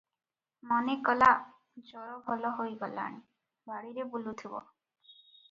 ମନେ କଲା, ଜର ଭଲ ହୋଇ ଗଲାଣି, ବାଡ଼ିରେ ବୁଲୁଥିବ ।